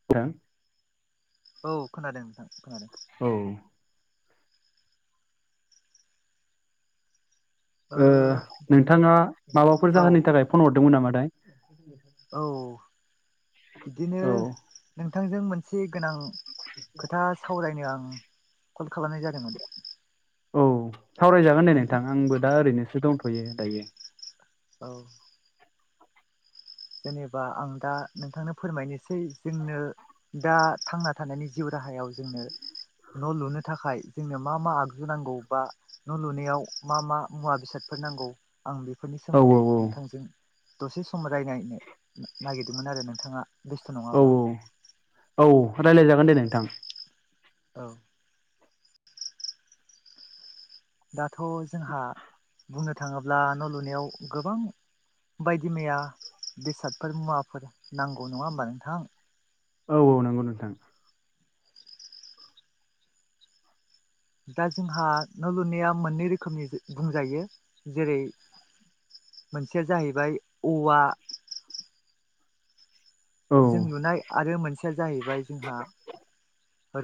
[inaudible] औ खोनादों नोंथां खोनादों। औ। ओ नोंथाङा माबाफोर औ जाहोननि थाखाय फन हरदोंमोन नामा थाय? औ बिदिनो औ नोंथांजों मोनसे गोनां। खोथा सावरायनो आं कल खालामनाय जादोंमोन। औ सावरायजागोन दे नोंथां आंबो दा ओरैनोसो दंथ'यो दायो। औ। जेनेबा आं दा नोंथांनो फोरमायनोसै जोंनो। दा थांना थानायनि जिउ राहायाव जोंनो। न' लुनो थाखाय जोंनो मा मा आगजु नांगौ बा न' लुनायाव मा मा मुवा बेसादफोर नांगौ। आं बेफोरनि औ सोमोन्दै नोंथांजों दसे सम रायज्लायनो नागिरदोंमोन आरो नोंथाङा। बेस्थ' औ नङाब्ला। औ रायज्लायजागोन दे नोंथां। औ। दाथ' जोंहा बुंनो थाङोब्ला न' लुनायाव गोबां बायदि मैया बेसादफोर मुवाफोर नांगौ नङा होमबा नोंथां? औ औ नंगौ नोंथां। दा जोंहा न' लुनाया मोननै रोखोमनि बुंजायो जेरै मोनसेया जाहैबाय औवा औ जों नुनाय आरो मोनसेया जाहैबाय जोंहा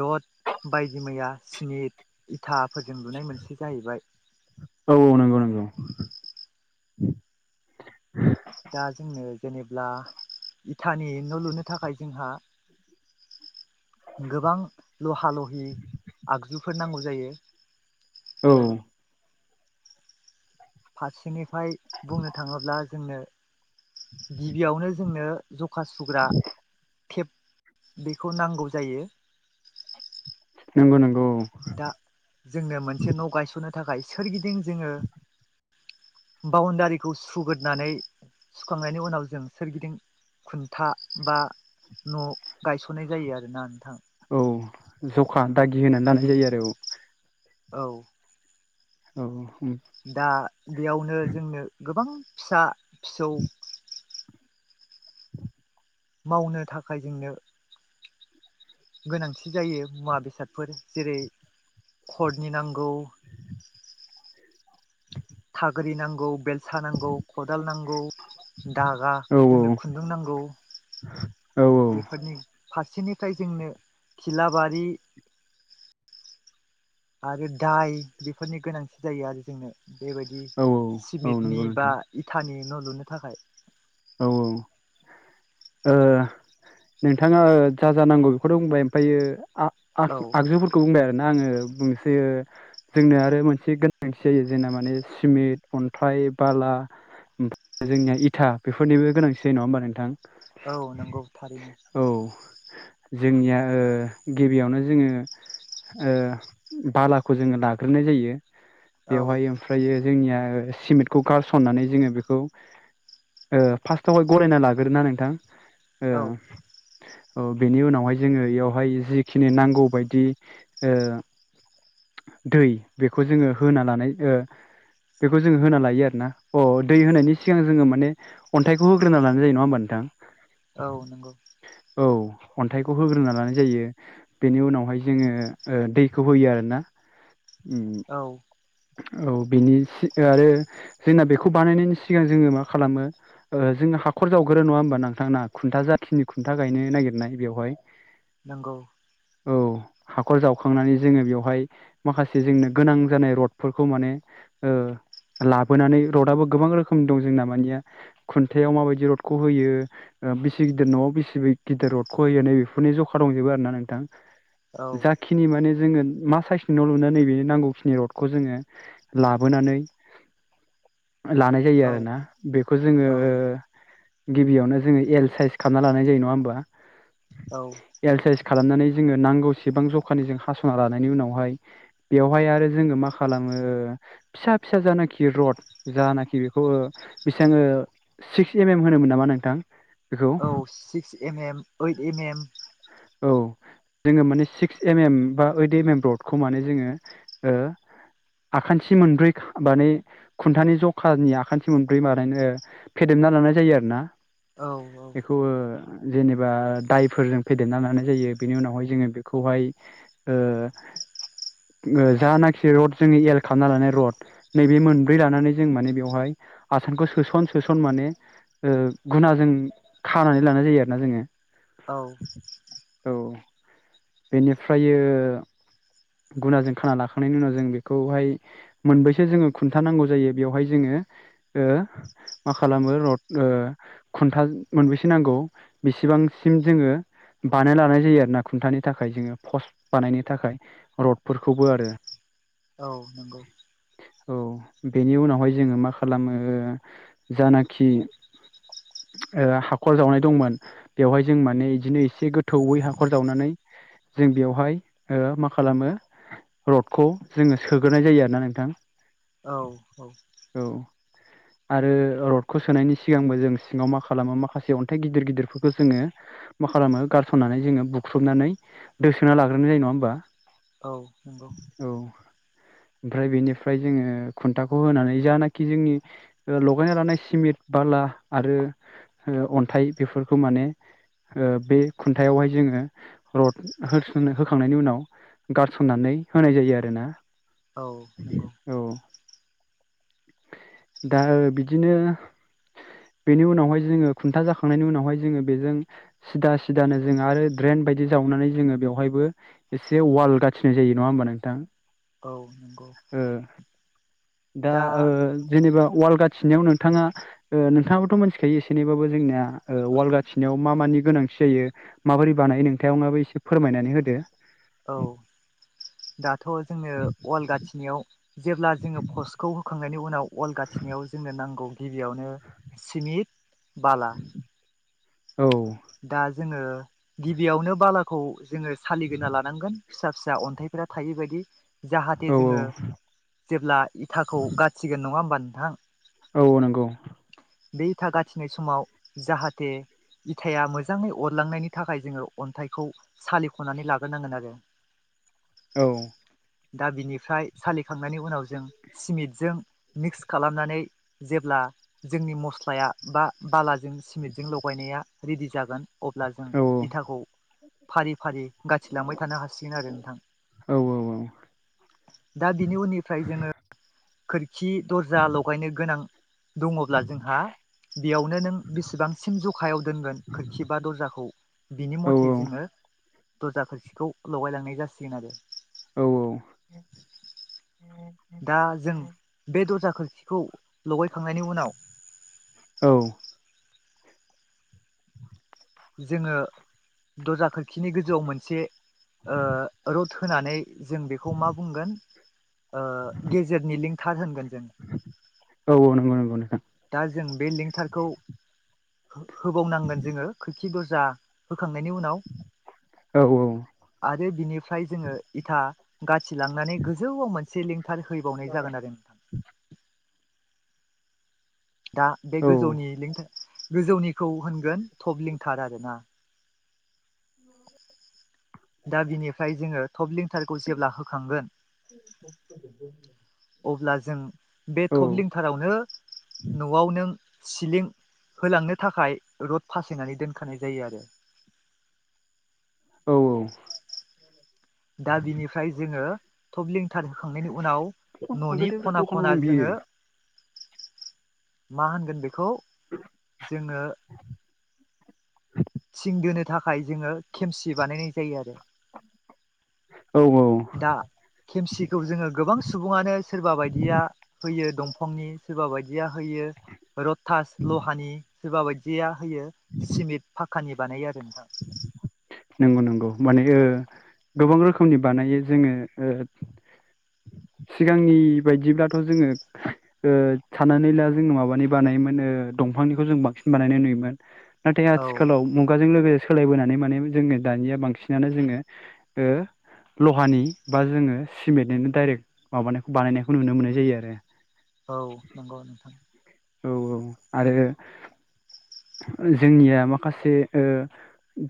रड बायदि मैया सिमेट इथाफोरजों लुनाय मोनसे जाहैबाय औ औ नंगौ नंगौ। दा जोंनो जेनेब्ला इटानि न' लुनो थाखाय जोंहा गोबां लहा लहि आगजुफोर नांगौ जायो। औ। फारसेनिफ्राय बुंनो थाङोब्ला जोंनो गिबियावनो जोंनो जखा सुग्रा टेप। बेखौ नांगौ जायो। नंगौ नंगौ। दा जोंनो मोनसे न' गायसननो थाखाय सोरगिदिं जोङो बाउणडारिखौ सुग्रोनानै सुखांनायनि उनाव जों सोरगिदिं खुन्था बा न' गायसननाय जायो आरोना नोंथां। औ जखा दागि होनानै लानाय जायो आरो औ। औ। औ हुम। दा बेयावनो जोंनो गोबां फिसा फिसौ। मावनो थाखाय जोंनो। गोनांथि जायो मुवा बेसादफोर जेरै खरनि नांगौ [inaudible] थाग्रि नांगौ बेलसा नांगौ खदाल नांगौ। दागा औ जोंनो खुन्दुं नांगौ। औ बेफोरनि फारसेनिफ्राय जोंनो खिलाबारि आरो दाय बेफोरनि गोनांथि जायो आरो जोंनो। बेबायदि औ औ सिमेन्टनि नंगौ बा नोंथां इथानि न' लुनो थाखाय। औ औ। ओ नोंथाङा जा जानांगौ बेखौथ' बुंबाय ओमफायो आब औ आग-आगजुफोरखौ बुंबाय आरोना आङो बुंसै ओ जोंनो आरो मोनसे गोनांथि जायो जोंना माने सिमेन्ट, अन्थाइ, बाला ओमफ्राय जोंनिया इथा बेफोरनिबो गोनांथि जायो नङा होमबा नोंथां? औ नंगौ थारैनो। औ जोंनिया ओ गिबियावनो जोङो ओ बालाखौ जोङो लाग्रोनाय जायो। औ बेवहाय ओमफ्रायो जोंनिया सिमेन्टखौ गारसननानै जोङो बेखौ ओ फार्स्टआवहाय गरायना लाग्रोयो नोंथां? ओ औ औ बेनि उनावहाय जोङो एयावहाय जिखिनि नांगौ बायदि ओ दै बेखौ जोङो होना लानाय ओ बेखौ जोङो होना लायो आरो ना अ दै होनायनि सिगां जोङो माने अन्थाइखौ होग्रोना लानायायो नङा होमबा नोंथां? औ नंगौ। औ अन्थाइखौ होग्रोना लानाय जायो। बेनि उनावहाय जोङो ओ दैखौ होयो आरोना। उम। औ। औ बिनि आरो जोंना बेखौ बानायनायनि सिगां जोङो मा खालामो ओ जोंङो हाखर जावगोरो नङा होमबा नोंथांना खुन्था जाखिनि खुन्था गायनो नागिरनाय बेवहाय। [inaudible] नोंगौ। औ हाखर जावखांनानै जोङो बेवहाय माखासे जोंनो गोनां जानाय र'ड फोरखौ माने ओ लाबोनानै रडआबो गोबां रोखोमनि दं जोंना मानि खुन्थायाव माबायदि रडखौ होयो ओ बिसि गिदिर न'आव बिसि गिदिर रडखौ हैनानै बेफोरनि जखा दंजोबो आरोना नोंथां। औ जाखिनि माने जोङो मा साइसनि न' लुनो नैबे नांगौखिनि रड खौ जोङो लाबोनानै लानाय जायो औ आरोना बेखौ जोङो औ गिबियावनो जोङो एल साइस खालामना लानाय जायो नङा होमबा? औ। एलसाइस खालामनानै जोङो नांगौसेबां जखानि जों हास'ना लानायनि उनावहाय बेवहाय आरो जोङो मा खालामो ओ फिसा फिसा जानाखि रड जानाखि बेखौ ओ बेसेयां ओ सिक्स एम एम होनोमोन नामा नोंथां? बेखौ औ six M M eight M M. औ। जोङो माने सिक्स एम एम बा ओइट एम एमरडखौ माने जोङो ओ आखान्थि मोनब्रै माने खुन्थानि जखानि आखान्थि मोनब्रै बानायो ओ फेदेमना लानाय जायो आरो ना औ औ। बेखौ ओ जेनेबा दायफोरजों फेदेरना लानाय जायो बेनि उनावहाय जोङो बेखौहाय ओ ओ जानाखि रड जोङो एल खालामना लानाय रड नैबे मोनब्रै लानानै जों माने बेवहाय आसानखौ सोसन सोसन माने ओ घुना जों खानानै लानाय जायो आरो ना जोङो। औ औ बेनिफ्रायो गुनाजों खाना लाखांनायनि उनाव जों बेखौहाय मोनब्रैसो जोङो खुन्थानांगौ जायो बेवहाय जोङो मा खालामो र'ड ओ खुन्था मोनबोसे नांगौ बेसेबांसिम जोङो बानाय लानाय जायो आरो ना खुन्थानि थाखाय जोङो पस्ट बानायनो थाखाय र'डफोरखौबो आरो औ नंगौ। औ बेनि उनावहाय जोङो मा खालामो जानाखि ओ हाखर जावनाय दंमोन बेवहाय जों माने इदिनो एसे गोथौयै हाखर जावनानै जों बेवहाय ओ मा खालामो र'डखौ जोङो सोग्रोनाय जायो आरो ना नोंथां। औ औ। औ। आरो रडखौ सोनायनि सिगांबो जों सिङाव मा खालामो माखासे अन्थाइ गिदिर गिदिरफोरखो जोङो मा खालामो गारसननानै जोङो बुख्रुबनानै दोसोना लाग्रोनो जायो नङा होमबा? औ नंगौ। औ ओमफ्राय बेनिफ्राय जोङो खुन्थाखौ होनानै जानाखि जोंनि ओ लगायना लानाय सिमेन्ट बाला आरो ओ अन्थाइ बेफोरखौ माने ओ बे खुन्थायावहाय जोङो रड होस होखांनायनि उनाव गारसननानै होनाय जायो आरो ना। औ नंगौ। दा बिदिनो बेनि उनावहाय जोङो खुन्था जाखांनायनि उनावहाय जोङो बेजों सिदा सिदानो जों आरो ड्रेन बायदि जावनानै जोङो बेवहायबो एसे वाल गाथिनाय जायो नङा होमबा नोंथां? औ नंगौ। ओ दा ओ जेनेबा ववाल गाथिनायाव नोंथाङा ओ नोंथाङाबोथ' मोनथिखायो एसेनैबाबो जोंनिया ओ वाल गाथिनायाव मा मानि गोनांथि जायो माबोरै बानायो नोंथांआबो माबे एसे फोरमायनानै होदो औ दाथ' जोंङो वाल गाथिनायाव जेब्ला जोङो पस्टखौ होखांनायनि उनाव वाल गाथिनायाव जोंनो नांगौ गिबियावनो सिमित बाला औ दा जोङो गिबियावनो बाला खौ जोङो सालिगोना लानांगोन फिसा फिसा अन्थाइफोरा थायै बायदि औ जाहाथे जोङो जेब्ला इथाखौ गाथिगोन नङा होमबा नोंथां औ नंगौ। बे इथा गाथिनाय समाव जाहाथे इथायआ मोजाङै अरलांनायनि थाखाय जोङो अन्थाइखौ सालिख'नानै लाग्रोनांगोन आरो औ दा बिनिफ्राय सालिखांनायनि उनाव जों सिमिथजों मिक्स खालामनानै जेब्ला जोंनि मस्लाया बा बालाजों सिमेन्टजों लगायनाया रेडि जागोन। अब्ला जों औ इथाखौ फारि फारि गाथिलांबाय थानो हासिगोन आरो नोंथां। औ औ। दा बिनि उननिफ्राय जोङो खोरखि दर्जा लगायनो गोनां दङब्ला जोंहा बेयावनो नों बेसेबांसिम जखायाव दोनगोन खोरखि बा दरजाखौ बिनि मथे जोङो दरजा खोरसिखौ लगाय लांनाय जासिगोन आरो। औ औ। दा जों बे दरजा खोरखिखौ लगायखांनायनि उनाव औ जोङो दरजा खोरखिनि गोजौआव मोनसे ओ रड होनानै जों बेखौ मा बुंगोन ओ गेजेरनि लिंथार होनगोन जों। औ औ नंगौ नंगौ नोंथां। दा जों बे लिंथारखौ होबावनांगोन जोङो खोरखि दरजा होखांनायनि उनाव औ औ आरो बिनिफ्राय जोङो इथा गाथिलांनानै गोजौआव मोनसे लिं थारहैबावनाय जागोन आरो नोंथां दा बे औ गोजौनि लार गोजौनिखौ होनगोन थब लिंथार आरोना दा बिनिफ्राय जोङो थबलिंथारखौ जेब्ला होखांगोन अब्ला जों बे थबलिंथारावनो न'आवनो जों सिलिं होलांनो थाखाय रड फासायनानै दोनखानाय जायो आरो औ औ दा बिनिफ्राय जोङो थबलिं थार होखांनायनि उनाव न'नि गोदोब्रा खना दखानाव खना दं बियो जोङो मा होनगोन बेखौ जोङो थिं दोनो थाखाय थाखाय जोङो खेमसि बानायनाय जायो आरो औ दा खेमसिखौ जोङो गोबां सुबुङानो सोरबा बायदिया होयो दंफांनि सोरबा बायदि या होयो रथास लहानि सोरबा बायदिया होयो सिमेट फ खानि बानायो आरो नोंथां नंगौ नंगौ माने ओ गोबां रोखोमनि बानायो जोङो ओ सिगांनि बायदिब्लाथ' जोङो ओ साननानै ला जों माबानि बानायोमोन दंफांनिखौ जों बांसिन बानायनाय नुयोमोन नाथाय औ आथिखालाव मुगाजों सोलायबोनानै माने जोङो दानिया बांसिनानो जोङो ओ लहानि बा जोङो सिमेन्टनिनो डाइरेक्ट माबानायखौ बानायनायखौ नुनो मोननाय जायो आरो औ नंगौ नोंथां औ औ आरो जोंनिया माखासे ओ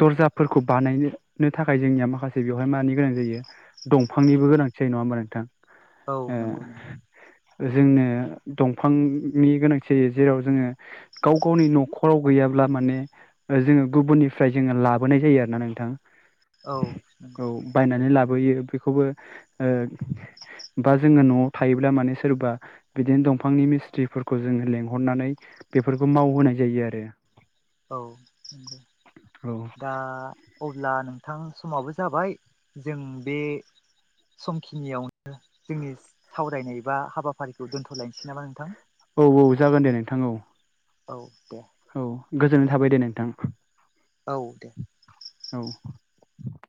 दरजाफोरखौ बानायनो थाखाय जोंनिया माखासे बेवहाय मानि गोनां जायो दंफांनिबो गोनांथि जायो नङा होमबा नोंथां औ नंगौ नंगौ ओ जोंनो दंफांनि गोनांथि जेराव जोङो गाव गावनि न'खराव गैयाब्ला माने जोङो गुबुननिफ्राय जोङो लाबोनाय जायो आरो ना नोंथां औ औ नंगौ बायनानै लाबोयो बेखौबो ओ बा जोङो न'आव थायोब्ला माने सोरबा बिदिनो दंफांनि मिस्थ्रिफोरखौ जोङो लेंहरनानै बेफोरखौ मावहोनाय जायो आरो। औ। दा अब्ला नोंथां समाबो जाबाय जों बे समखिनियावनो जोंनि सावरायनाय बा हाबाफारिखौ दोन्थ'लायनोसै नामा नोंथां औ औ जागोन दे नोंथां औ औ दे औ गोजोननाय थाबाय दे नोंथां औ। औ।